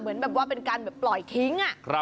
เหมือนแบบว่าเป็นการแบบปล่อยทิ้ง